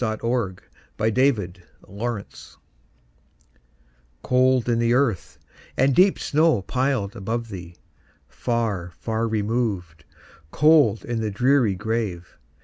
Emily Brontë Remembrance COLD in the earth, and the deep snow piled above thee! Far, far removed, cold in the dreary grave!